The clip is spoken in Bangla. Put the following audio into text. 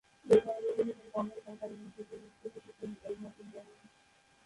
এর কাহিনী লিখেছেন কমল সরকার এবং চিত্রনাট্য লিখেছেন মতিন রহমান।